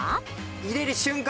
入れる瞬間